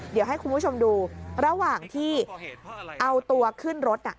เดี๋ยวให้คุณผู้ชมดูระหว่างที่เอาตัวขึ้นรถน่ะ